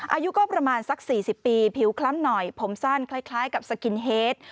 อายุก็ประมาณสัก๔๐ปีผิวคล้ำหน่อยผมสั้นคล้ายกับสกินเฮด